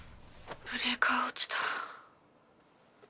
ブレーカー落ちた。